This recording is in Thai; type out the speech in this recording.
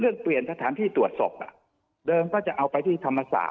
เรื่องเปลี่ยนพัฒนาที่ตรวจศพอ่ะเดิมก็จะเอาไปที่ธรรมศาสตร์